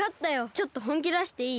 ちょっとほんきだしていい？